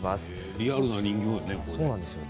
リアルな人形ね。